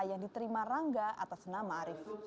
yang diterima rangga atas nama arief